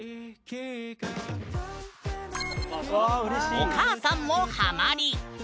お母さんもハマり。